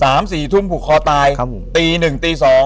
สามสี่ทุ่มผูกคอตายครับผมตีหนึ่งตีสอง